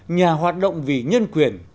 nhà hoạt động vì nhân quyền